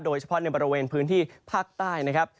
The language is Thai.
โดยเฉพาะในบริเวณพื้นที่ภาคใต้นะครับ